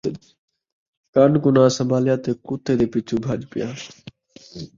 کن کوں ناں سن٘بھالیا تے کتّے دے پچھوں بھڄ پیا